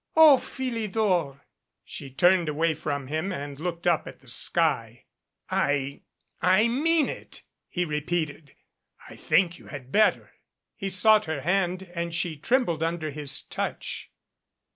O Philidor!" She turned away from him and looked up at the sky. "I I mean it," he repeated. "I think you had bet ter." He sought her hand and she trembled under his touch.